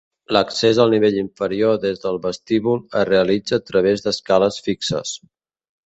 L'accés al nivell inferior des del vestíbul, es realitza a través d'escales fixes.